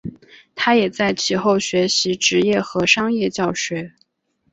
他也在其后学习职业和商业教学。